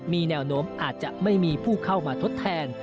มีแนวโน้มอาจจะไม่มีผู้เข้ามาทดแทน